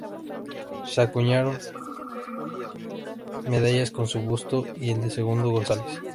Se acuñaron medallas con su busto y el de su segundo, González.